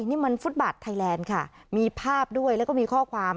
นี่มันฟุตบาทไทยแลนด์ค่ะมีภาพด้วยแล้วก็มีข้อความ